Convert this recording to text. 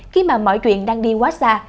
khi mà mọi chuyện đang đi quá xa